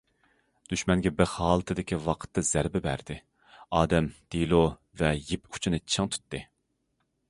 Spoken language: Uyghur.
دۈشمەنگە بىخ ھالىتىدىكى ۋاقىتتا زەربە بەردى، ئادەم، دېلو ۋە يىپ ئۇچىنى چىڭ تۇتتى.